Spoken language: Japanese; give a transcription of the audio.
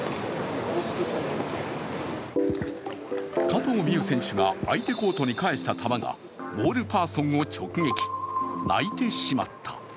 加藤未唯選手が相手コートに返した球が、ボールパーソンを直撃、泣いてしまった。